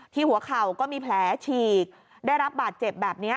หัวเข่าก็มีแผลฉีกได้รับบาดเจ็บแบบนี้